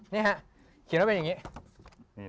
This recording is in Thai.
นี่ฮะเขียนไว้เป็นอย่างนี้